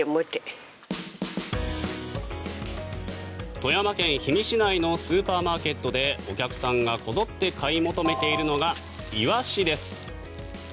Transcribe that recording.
富山県氷見市内のスーパーマーケットでお客さんがこぞって買い求めているのがイワシです。